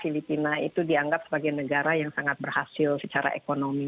filipina itu dianggap sebagai negara yang sangat berhasil secara ekonomi